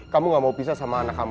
kamu gak mau pisah sama anak kamu